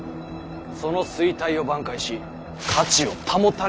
その衰退を挽回し価値を保たねばならない。